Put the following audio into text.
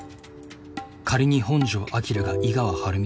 仮に本城彰が井川晴美